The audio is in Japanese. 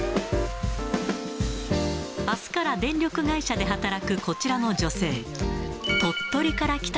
あすから電力会社で働くこちらの女性。